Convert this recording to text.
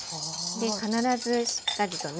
必ずしっかりとね